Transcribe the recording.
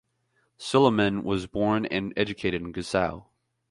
Suleiman was born and educated in Gusau.